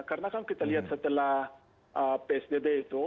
karena kan kita lihat setelah psdd itu